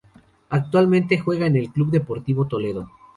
Actualmente juega en el Club Deportivo Toledo.